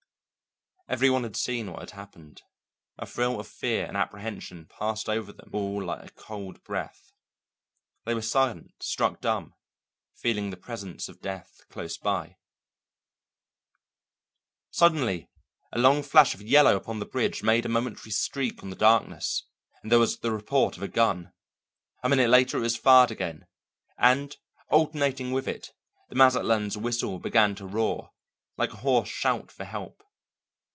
Every one had seen what had happened; a thrill of fear and apprehension passed over them all like a cold breath. They were silent, struck dumb, feeling the presence of death close by. Suddenly a long flash of yellow upon the bridge made a momentary streak on the darkness, and there was the report of a gun. A minute later it was fired again, and alternating with it the Mazatlan's whistle began to roar, like a hoarse shout for help.